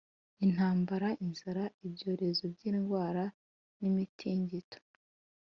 Intambara, inzara, ibyorezo by’indwara n’imitingito